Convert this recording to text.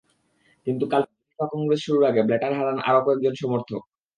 কিন্তু কাল FIFA congress শুরুর আগে ব্ল্যাটার হারান আরও কয়েকজন সমর্থক।